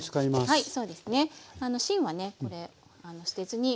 はい。